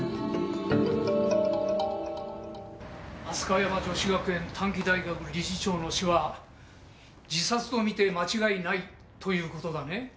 飛鳥山女子学園短期大学理事長の死は自殺と見て間違いないという事だね？